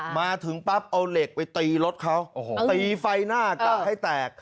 มาถึงปั๊บเอาเหล็กไปตีรถเขาตีไฟหน้ากะให้แตก